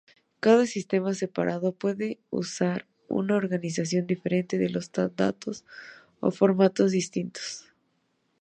Cada sistema separado puede usar una organización diferente de los datos o formatos distintos.